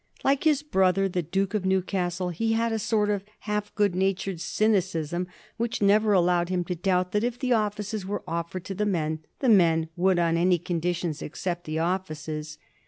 Like his brother, the Duke of Newcastle, he had a sort of half good natured cynicism which never allowed him to doubt that if the offices were offered to the men, the men would on any conditions accept the offices.